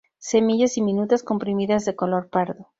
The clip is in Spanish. Semillas diminutas, comprimidas de color pardo.